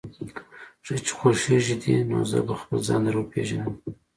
ښه چې خوښېږي دې، نو زه به خپله ځان در وپېژنم.